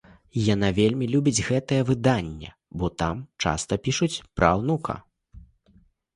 Яна вельмі любіць гэтае выданне, бо там часта пішуць пра ўнука.